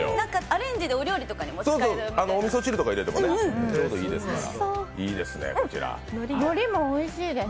アレンジでお料理とかにも使えるみたいで。